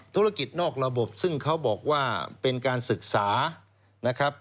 ธุรกิจนอกระบบซึ่งเขาบอกว่าเป็นการศึกษานะครับ